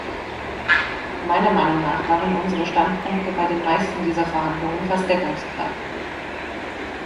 Meiner Meinung nach waren unsere Standpunkte bei den meisten dieser Verhandlungen fast deckungsgleich.